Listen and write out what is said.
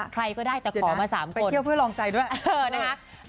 ค่ะเดี๋ยวนะไปเที่ยวเพื่อนรองใจด้วยใครก็ได้แต่ขอมา๓คน